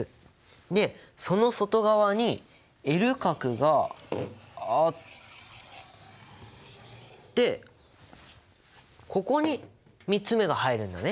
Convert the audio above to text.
でその外側にＬ殻があってここに３つ目が入るんだね。